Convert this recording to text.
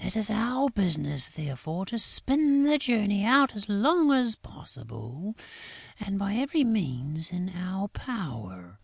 It is our business, therefore, to spin the journey out as long as possible and by every means in our power...."